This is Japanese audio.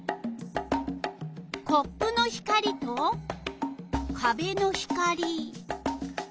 コップの光とかべの光。